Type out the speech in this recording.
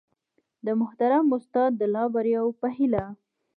د محترم استاد د لا بریاوو په هیله